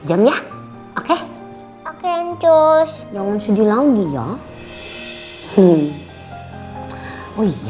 jamnya oke oke doncos jangan sedih lagi ya oh iya itu semuaannya deeph railway nanya